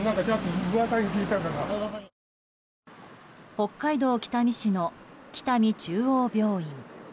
北海道北見市の北見中央病院。